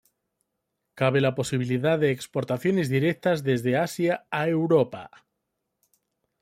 Cabe la posibilidad de exportaciones directas desde Asia a Europa.